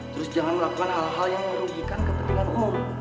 terus jangan melakukan hal hal yang merugikan kepentinganmu